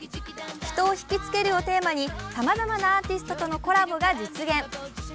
人を引きつけるをテーマにさまざまなアーティストとのコラボが実現。